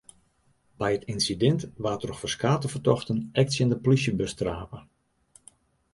By it ynsidint waard troch ferskate fertochten ek tsjin de plysjebus trape.